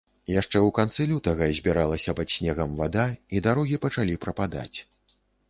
Яшчэ ў канцы лютага збіралася пад снегам вада, і дарогі пачалі прападаць.